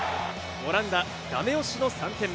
オランダ、ダメ押しの３点目。